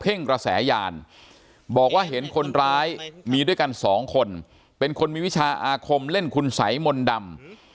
กระแสยานบอกว่าเห็นคนร้ายมีด้วยกันสองคนเป็นคนมีวิชาอาคมเล่นคุณสัยมนต์ดำ